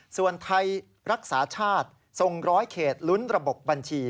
ส่วนไทยรักษาชาติทรงร้อยเขตลุ้นระบบบัญชี